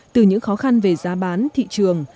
từ những khó khăn về giá bán thị trường